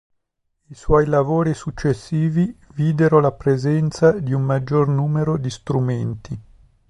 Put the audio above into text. I suoi lavori successivi videro la presenza di un maggior numero di strumenti.